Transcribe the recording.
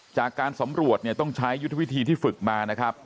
จากการสำรวจเนี่ยต้องใช้ยุทธวิธีที่ฝึกมานะครับ